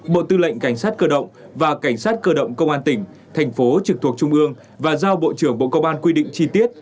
bộ tư lệnh cảnh sát cơ động và cảnh sát cơ động công an tỉnh thành phố trực thuộc trung ương và giao bộ trưởng bộ công an quy định chi tiết